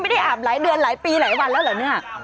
ไม่ได้อาบหลายเดือนหลายปีหลายวันแล้วเหรอ